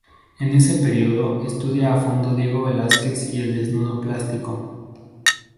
En ese período, estudia a fondo Diego Velázquez y el desnudo plástico.